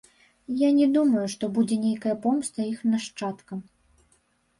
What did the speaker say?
Я не думаю, што будзе нейкая помста іх нашчадкам.